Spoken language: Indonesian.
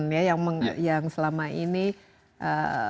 ya yang selama ini istilahnya